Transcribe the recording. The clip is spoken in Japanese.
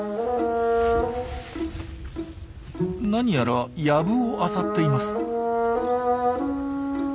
なにやら藪をあさっています。